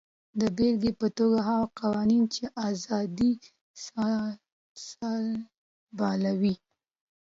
د بېلګې په توګه هغه قوانین چې ازادي سلبوي.